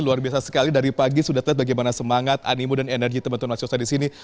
luar biasa sekali dari pagi sudah terlihat bagaimana semangat animu dan energi teman teman mahasiswa di sini